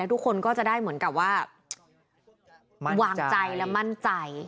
ทุกคนก็จะได้เหมือนกับว่าวางใจและมั่นใจ